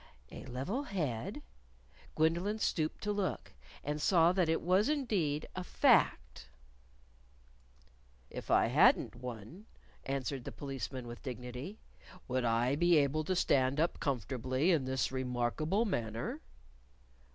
A level head? Gwendolyn stooped to look. And saw that it was indeed a fact! "If I hadn't one," answered the Policeman with dignity, "would I be able to stand up comfortably in this remarkable manner?"